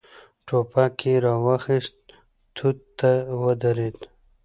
ټوپک يې را واخيست، توت ته ودرېد.